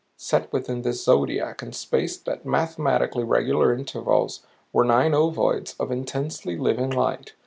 Set within this zodiac and spaced at mathematically regular intervals were nine ovoids of intensely living light.